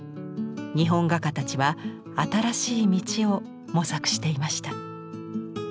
日本画家たちは新しい道を模索していました。